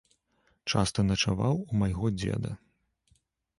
Часта начаваў у майго дзеда.